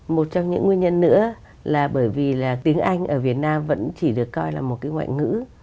một trong những nguyên nhân nữa là bởi vì là tiếng anh ở việt nam vẫn chỉ được coi là một cái ngoại ngữ